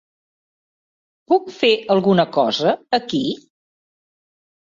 Puc fer alguna cosa aquí?